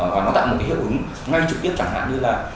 và nó tạo một cái hiệu ứng ngay trực tiếp chẳng hạn như là